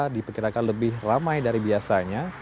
diperkirakan lebih ramai dari biasanya